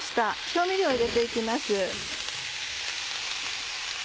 調味料を入れて行きます。